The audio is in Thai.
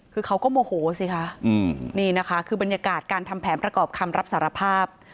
คือเขาก็โมโหสิคะนี่นะคะคือบรรยากาศการทำแผนประกอบคำรับสารภาพ